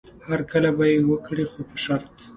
هرکلی به یې وکړي خو په شرط.